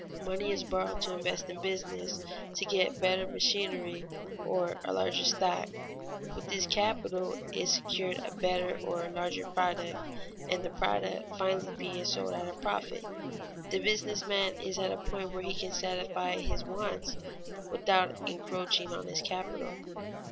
Money is borrowed to invest in business, to get better machinery or a larger stock; with this capital is secured a better or larger product, and the product finally being sold at a profit, the business man is at a point where he can satisfy his wants without encroaching on his capital.